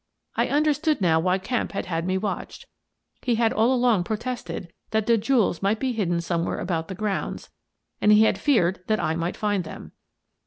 I un derstood now why Kemp had had me watched : he had all along protested that the jewels might be hidden somewhere about the grounds, and he had feared that I might find them.